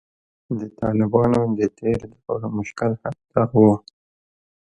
د طالبانو د تیر دور مشکل همدا و